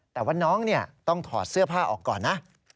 แต่ว่าน้องต้องถอดเสื้อผ้าออกก่อนนะ